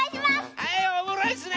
はいオムライスね！